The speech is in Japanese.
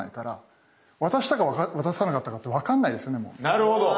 なるほど。